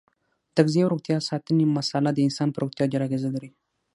د تغذیې او روغتیا ساتنې مساله د انسان په روغتیا ډېره اغیزه لري.